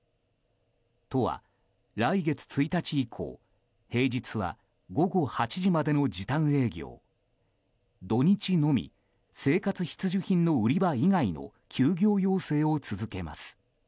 都は、来月１日以降平日は午後８時までの時短営業土日のみ、生活必需品の売り場以外の休業要請を続けます。